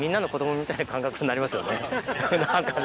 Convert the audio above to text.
な感覚になりますよね